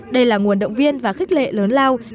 đây là nguồn động viên và khích lệ lớn lao